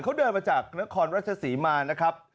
เขาเดินมาจากนครราชศรีมานะครับ